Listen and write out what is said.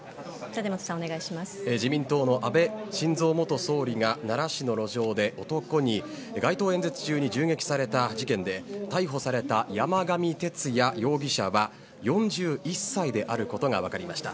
自民党の安倍元首相が奈良市の路上で男に街頭演説中に銃撃された事件で逮捕された山上徹也容疑者は４１歳であることが分かりました。